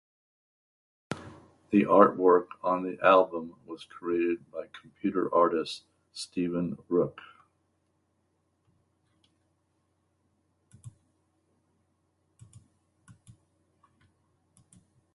The artwork on the album was created by computer artist Steven Rooke.